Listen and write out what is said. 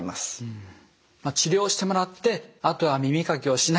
治療してもらってあとは耳かきをしない。